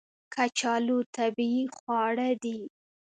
کچالو طبیعي خواړه دي